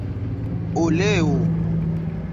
oleo